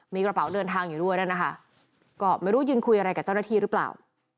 มีกระเป๋าเดินทางอยู่ด้วยนั่นนะคะก็ไม่รู้ยืนคุยอะไรกับเจ้าหน้าที่หรือเปล่า